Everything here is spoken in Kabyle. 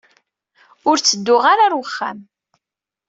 Ur ttedduɣ ara ɣer wexxam.